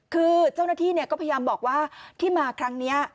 คือเจ้าหน้าที่ก็พยายามบอกว่าที่มาครั้งนี้